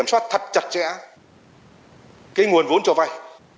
tránh tình trạng doanh nghiệp người dân vay